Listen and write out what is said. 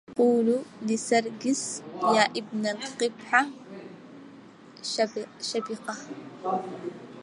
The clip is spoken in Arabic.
قولوا لسرجس يا ابن القحبة الشبقه